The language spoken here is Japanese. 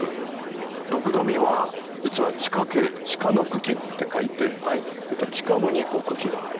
ドクダミは実は地下茎地下の茎って書いて地下部に茎がある。